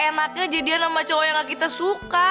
gimana rasanya ga enaknya jadian sama cowo yang ga kita suka